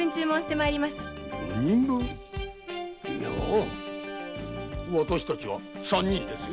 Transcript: いや私達は三人ですよ。